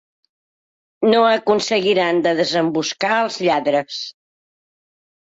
No aconseguiran de desemboscar els lladres.